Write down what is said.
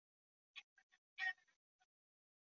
hali iliyozua sintofahamu hata kabla ya kuanza